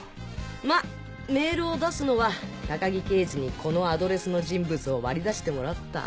まぁメールを出すのは高木刑事にこのアドレスの人物を割り出してもらった後で。